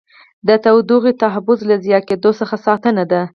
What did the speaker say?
د تودوخې تحفظ له ضایع کېدو څخه ساتنه ده.